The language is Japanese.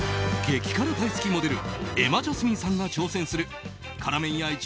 激辛大好きモデル瑛茉ジャスミンさんが挑戦する辛麺屋一